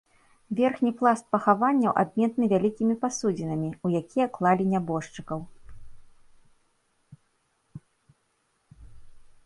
Верхні пласт пахаванняў адметны вялікімі пасудзінамі, у якія клалі нябожчыкаў.